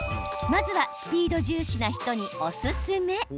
まずはスピード重視な人におすすめ。